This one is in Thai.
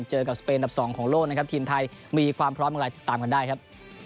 เจอกับสเปนอันดับ๒ของโลกนะครับทีมไทยมีความพร้อมอย่างไรติดตามกันได้ครับ